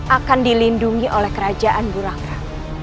akan dilindungi oleh kerajaan bulakra